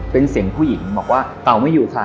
เป็นเสียงผู้หญิงบอกว่าเต่าไม่อยู่ค่ะ